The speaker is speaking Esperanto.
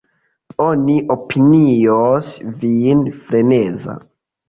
Oni opinios vin freneza.